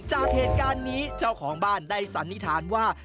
จากเหตุการณ์นี้เจ้าของบ้านได้สันนิษฐานว่า